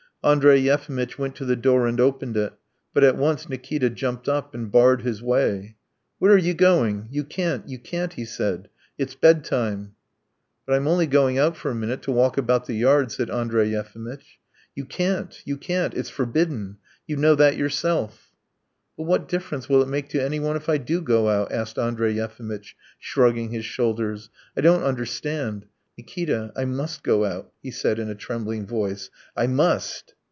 ..." Andrey Yefimitch went to the door and opened it, but at once Nikita jumped up and barred his way. "Where are you going? You can't, you can't!" he said. "It's bedtime." "But I'm only going out for a minute to walk about the yard," said Andrey Yefimitch. "You can't, you can't; it's forbidden. You know that yourself." "But what difference will it make to anyone if I do go out?" asked Andrey Yefimitch, shrugging his shoulders. "I don't understand. Nikita, I must go out!" he said in a trembling voice. "I must."